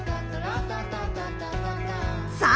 さあ